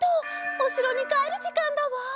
おしろにかえるじかんだわ！